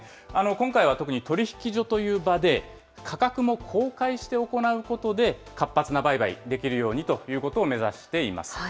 今回は特に取引所という場で、価格も公開して行うことで、活発な売買、できるようにということを目指しています。